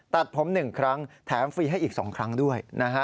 ตัดผม๑ครั้งแถมฟรีให้อีก๒ครั้งด้วยนะฮะ